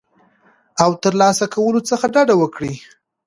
او ترلاسه کولو څخه ډډه وکړه